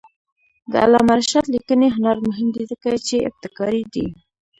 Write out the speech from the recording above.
د علامه رشاد لیکنی هنر مهم دی ځکه چې ابتکاري دی.